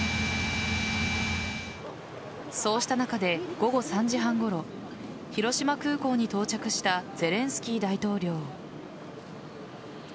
そうした中で午後３時半ごろ広島空港に到着したゼレンスキー大統領。